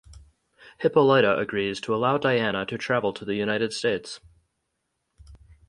Hippolyta agrees to allow Diana to travel to the United States.